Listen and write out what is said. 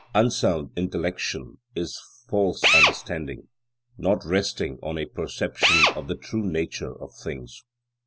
Unsound intellection is false understanding, not resting on a perception of the true nature of things.